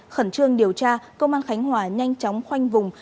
khẩn trương điều tra công an khánh hòa nhanh chóng khoanh vùng